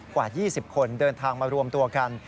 กว่า๒๐คนเดินทางมารวมตัวกัน